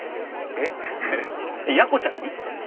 えっやこちゃんに？